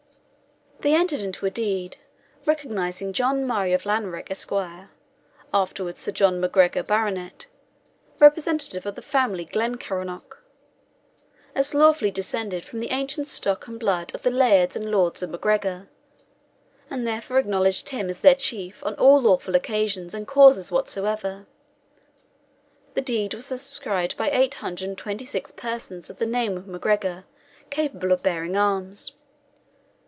They entered into a deed recognising John Murray of Lanrick, Esq. (afterwards Sir John MacGregor, Baronet), representative of the family of Glencarnock, as lawfully descended from the ancient stock and blood of the Lairds and Lords of MacGregor, and therefore acknowledged him as their chief on all lawful occasions and causes whatsoever. The deed was subscribed by eight hundred and twenty six persons of the name of MacGregor, capable of bearing arms.